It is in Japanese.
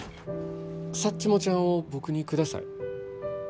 サッチモちゃんを僕にください。